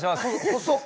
細っ！